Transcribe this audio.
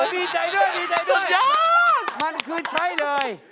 นี่ดีใจด้วยมันคือใช่เลย